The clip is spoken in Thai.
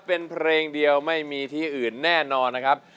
เป็นเพลงเดียวไม่มีที่อื่นแน่นอนนะครับ